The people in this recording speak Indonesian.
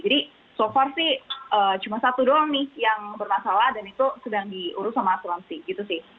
jadi so far sih cuma satu doang nih yang bermasalah dan itu sedang diurus sama asuransi gitu sih